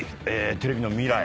テレビの未来